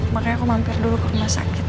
makanya aku mampir dulu karena sakit